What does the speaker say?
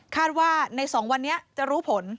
คาดว่าในสองวันนี้จะรู้ผล